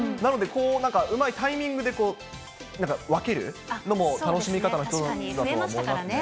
だからタイミングでこう、なんか分けるのも楽しみ方の一つだとは思いますね。